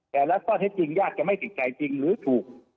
แต่แล้วก็ถ้าจริงยากจะไม่ติดใจจริงหรือถูก